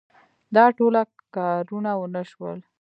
دا ټوله کارونه ونه شول.